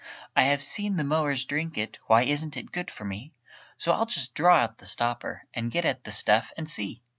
"I have seen the mowers drink it Why isn't it good for me? So I'll just draw out the stopper And get at the stuff, and see!"